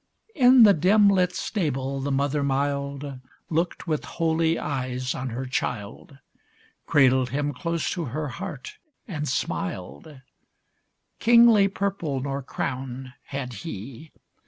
In the dim lit stable the mother mild Looked with holy eyes on her child. Cradled him close to her heart and smiled ; Kingly purple nor crown had he.